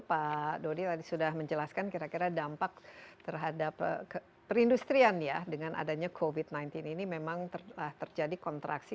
pak dodi tadi sudah menjelaskan kira kira dampak terhadap perindustrian ya dengan adanya covid sembilan belas ini memang terjadi kontraksi